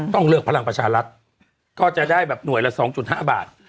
เลือกพลังประชารัฐก็จะได้แบบหน่วยละ๒๕บาท